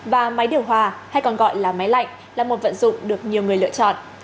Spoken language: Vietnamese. và máy điều hòa hay còn gọi là máy lạnh là một vận dụng được nhiều người lựa chọn